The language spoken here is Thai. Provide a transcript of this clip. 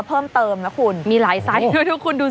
เพิ่มเติมนะคุณมีหลายไซส์ด้วยทุกคนดู